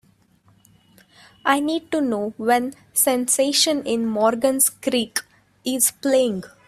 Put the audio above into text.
I need to know when Sensation in Morgan’s Creek is playing